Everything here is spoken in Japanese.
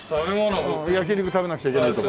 焼き肉食べなくちゃいけないとか。